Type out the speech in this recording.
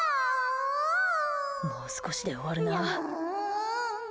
もう少しで終わるな。